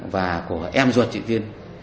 và của em ruột chị tiên